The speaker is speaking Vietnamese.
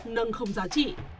nâng không giá trị